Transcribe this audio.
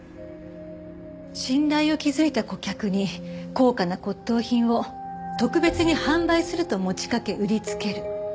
信頼を築いた顧客に高価な骨董品を特別に販売すると持ちかけ売りつける。